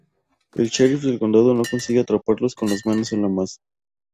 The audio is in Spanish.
El sheriff del condado no consigue atraparlos con las manos en la masa.